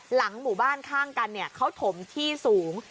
หลังหมู่บ้านข้างกันเขาถมที่สูง